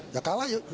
ya kalah yuk